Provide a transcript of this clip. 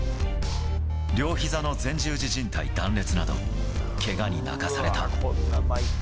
両ひざの前十字じん帯断裂など、けがに泣かされた。